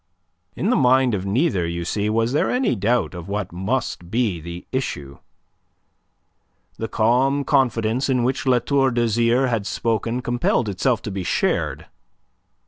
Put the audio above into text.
In the mind of neither, you see, was there any doubt of what must be the issue. The calm confidence in which La Tour d'Azyr had spoken compelled itself to be shared.